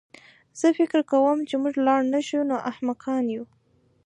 زه فکر کوم که موږ لاړ نه شو نو احمقان یو